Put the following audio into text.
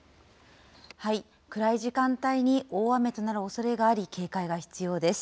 暗い時間帯に大雨となるおそれがあり、警戒が必要です。